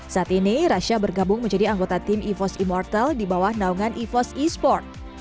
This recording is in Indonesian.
saat ini rasha bergabung menjadi anggota tim evos importel di bawah naungan evos e sport